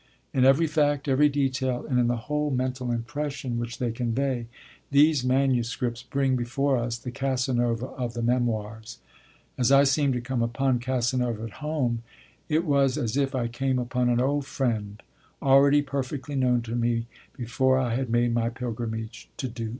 In every fact, every detail, and in the whole mental impression which they convey, these manuscripts bring before us the Casanova of the Memoirs. As I seemed to come upon Casanova at home, it was as if I came upon an old friend, already perfectly known to me, before I had made my pilgrimage to Dux.